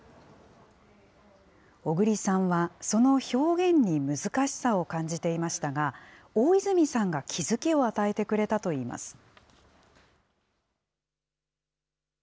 小栗さんは、その表現に難しさを感じていましたが大泉さんが気付きを与えてくれたといいます。